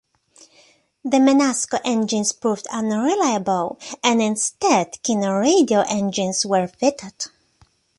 The Menasco engines proved unreliable, and instead Kinner radial engines were fitted.